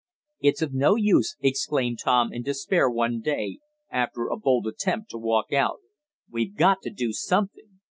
"It's of no use!" exclaimed Tom in despair one day, after a bold attempt to walk out. "We've got to do something.